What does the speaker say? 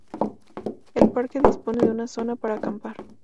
El parque dispone de una zona para acampar.